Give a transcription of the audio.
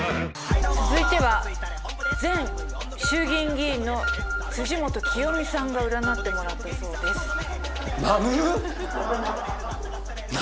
続いては前衆議院議員の辻元清美さんが占ってもらったそうです。